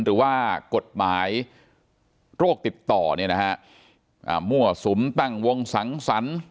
หรือว่ากฎหมายโรคติดต่อเนี่ยนะฮะมั่วสุมตั้งวงสังสรรค์